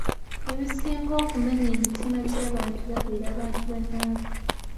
Ebisinga okumenya emitima gy’abantu babeera bantu bannaabwe.